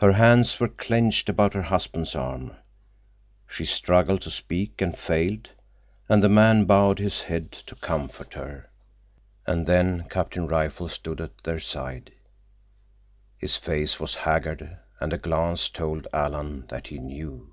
Her hands were clenched about her husband's arm. She struggled to speak and failed, and the man bowed his head to comfort her. And then Captain Rifle stood at their side. His face was haggard, and a glance told Alan that he knew.